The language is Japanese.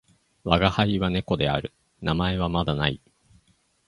わがはいは猫である。名前はまだ無い。